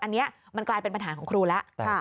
อันนี้มันกลายเป็นปัญหาของครูแล้ว